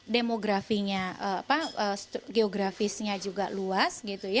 demografinya geografisnya juga luas